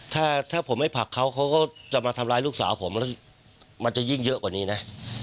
ถ้าผมไม่ผลักเขาเขาก็จะมาทำร้ายลูกสาวผมมันจะยิ่งเยอะกว่านี้นะ